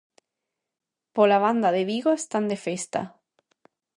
Pola banda de Vigo están de festa.